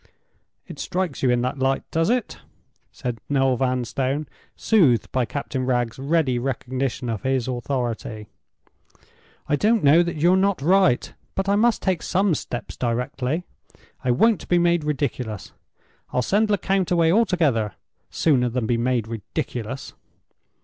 "It strikes you in that light, does it?" said Noel Vanstone, soothed by Captain Wragge's ready recognition of his authority. "I don't know that you're not right. But I must take some steps directly. I won't be made ridiculous—I'll send Lecount away altogether, sooner than be made ridiculous."